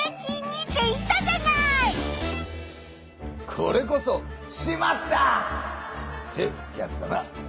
これこそ「しまった！」ってやつだな。